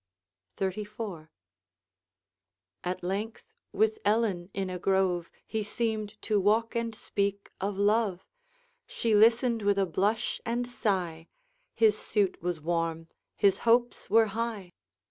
XXXIV. At length, with Ellen in a grove He seemed to walk and speak of love; She listened with a blush and sigh, His suit was warm, his hopes were high.